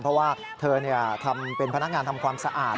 เพราะว่าเธอทำเป็นพนักงานทำความสะอาด